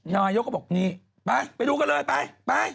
นายก็บอกนี่ไปดูกันเลย